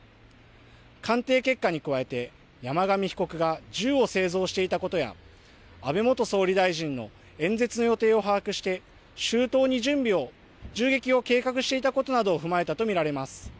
鑑定結果に加えて山上被告が銃を製造していたことや安倍元総理大臣の演説の予定を把握して周到に銃撃を計画していたことなどを踏まえたと見られます。